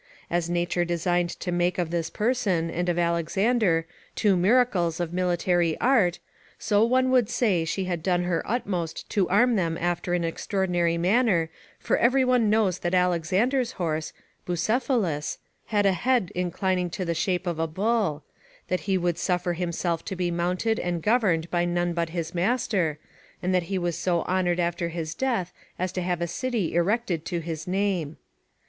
As nature designed to make of this person, and of Alexander, two miracles of military art, so one would say she had done her utmost to arm them after an extraordinary manner for every one knows that Alexander's horse, Bucephalus, had a head inclining to the shape of a bull; that he would suffer himself to be mounted and governed by none but his master, and that he was so honoured after his death as to have a city erected to his name.